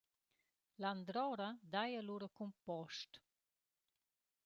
Landroura daja lura cumpost.